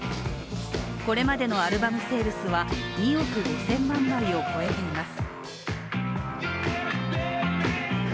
これまでのアルバムセールスは２億５０００万枚を超えています。